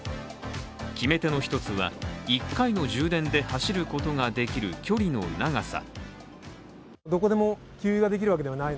決め手の一つは１回の充電で走ることができる距離の長さ。